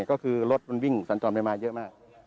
ก็คือรถมันวิ่งสัญจรไปมาเยอะมาก